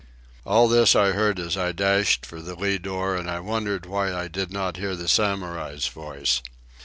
All this I heard as I dashed for the lee door and as I wondered why I did not hear the Samurai's voice.